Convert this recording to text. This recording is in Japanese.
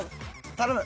頼む。